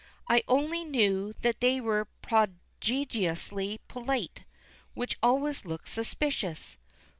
I only knew that they were prodigiously polite, which always looks suspicious.